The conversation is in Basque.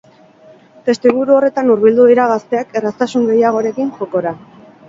Testuinguru horretan hurbildu dira gazteak erraztasun gehiagorekin jokora.